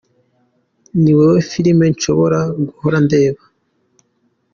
Ni wowe Filimi nshobora guhora ndeba.